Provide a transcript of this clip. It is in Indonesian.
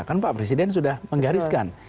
kan pak presiden sudah menggariskan